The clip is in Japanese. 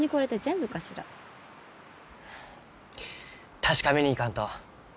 確かめに行かんと。